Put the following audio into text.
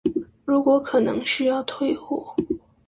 如果可能需要退貨